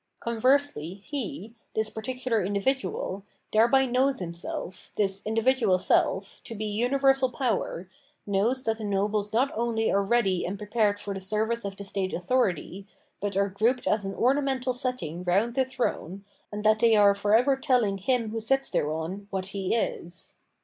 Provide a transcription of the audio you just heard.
* Con versely he, this particular individual, thereby knows himself, this individual self, to be universal power, knows that the nobles not only are ready and pre pared for the service of the state authority, but are grouped as an ornamental setting round the throne, and that they are for ever telling him who sits thereon what he is.